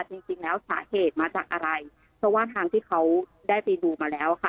จริงจริงแล้วสาเหตุมาจากอะไรเพราะว่าทางที่เขาได้ไปดูมาแล้วค่ะ